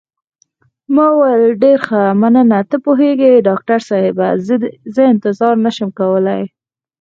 ما وویل: ډېر ښه، مننه، ته پوهېږې ډاکټر صاحبه، زه انتظار نه شم کولای.